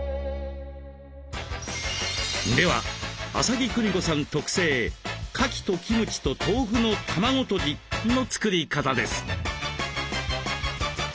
では麻木久仁子さん特製「かきとキムチと豆腐の卵とじ」の作り方です。